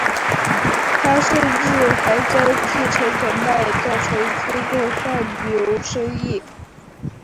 他甚至还将继承权卖掉筹资做贩牛生意。